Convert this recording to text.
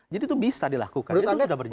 jadi itu bisa dilakukan